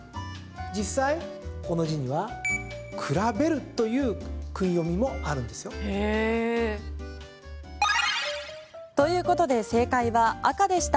実際、この字には「くらべる」という訓読みもあるんですよ。ということで正解は、赤でした。